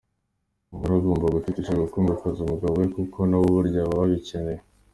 Umugore agomba gutetesha , gukundwakaza umugabo we kuko nabo burya baba babikeneye.